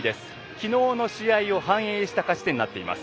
きのうの試合を反映した勝ち点になっています。